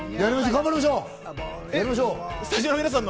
頑張りましょう！